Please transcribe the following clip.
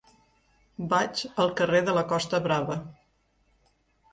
Vaig al carrer de la Costa Brava.